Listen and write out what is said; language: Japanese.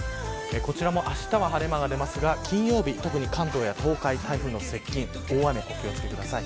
こちらもあしたは晴れ間が出ますが、金曜日特に関東や東海台風の接近大雨にお気を付けください。